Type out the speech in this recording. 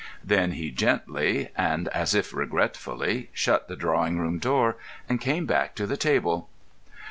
Then he gently, and as if regretfully, shut the drawing room door and came back to the table.